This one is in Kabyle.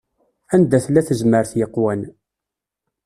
Anda tella tezmert yeqwan.